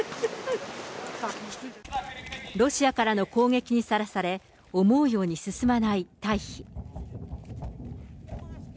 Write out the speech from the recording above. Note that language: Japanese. ロシアからの攻撃にさらされ、思うように進まない退避。